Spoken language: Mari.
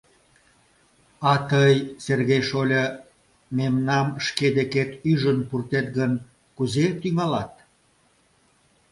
— А тый, Сергей шольо, мемнам шке декет ӱжын пуртет гын, кузе тӱҥалат?